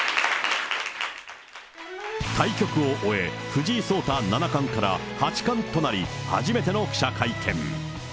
対局を終え、藤井聡太七冠から八冠となり、初めての記者会見。